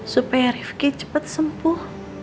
supaya rifki cepat sembuh